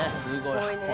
すごいね。